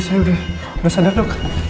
saya udah sadar dok